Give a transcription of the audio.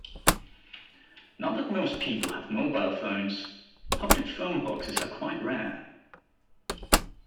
Now that most people have mobile phones, public phone boxes are quite rare